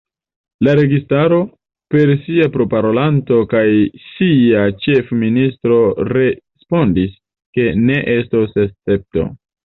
La registaro, per sia proparolanto kaj sia ĉefministro respondis ke ne estos escepto.